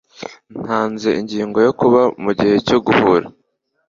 Ntanze ingingo yo kuba mugihe cyo guhura.